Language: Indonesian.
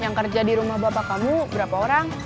yang kerja di rumah bapak kamu berapa orang